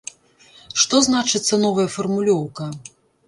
Што значыцца новая фармулёўка?